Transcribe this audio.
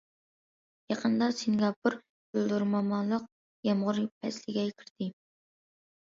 يېقىندا سىنگاپور گۈلدۈرمامىلىق يامغۇر پەسلىگە كىردى.